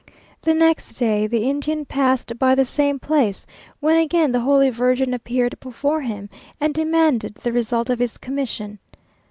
The next day the Indian passed by the same place, when again the Holy Virgin appeared before him, and demanded the result of his commission.